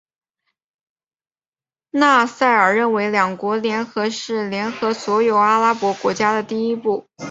纳赛尔认为两国联合是联合所有阿拉伯国家的第一步。